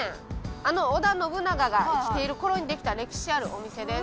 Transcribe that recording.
あの織田信長が生きている頃にできた歴史あるお店です。